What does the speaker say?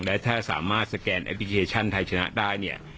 และถ้าสามารถสแกนแอปพลิเคชันไทยชนะได้เนี่ย